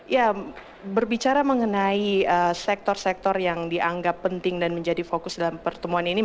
ya berbicara mengenai sektor sektor yang dianggap penting dan menjadi fokus dalam pertemuan ini